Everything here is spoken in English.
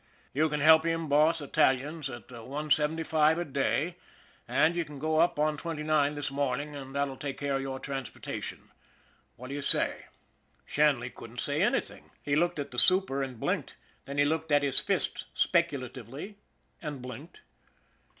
You can help him boss Italians at one seventy five a day, and you can go up on Twenty nine this morning, that'll take care of your transportation. What do you say ?" 104 ON THE IRON AT BIG CLOUD Shanley couldn't say anything. He looked at the super and blinked; then he looked at his fists specula tively and blinked.